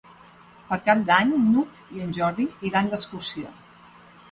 Per Cap d'Any n'Hug i en Jordi iran d'excursió.